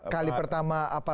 kali pertama apa